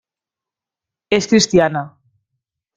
És cristiana.